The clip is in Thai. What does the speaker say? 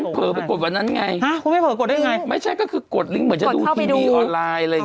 ฉันเผลอไปกดวันนั้นไงไม่ใช่ก็คือกดลิงค์เหมือนจะดูทีมีออนไลน์